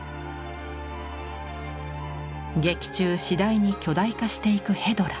劇中次第に巨大化していくヘドラ。